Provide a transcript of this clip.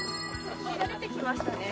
慣れてきましたね。